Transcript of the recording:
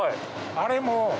あれも。